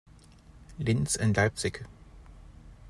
Linz and Leipzig.